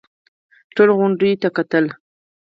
ټولو غونډيو ته کتل.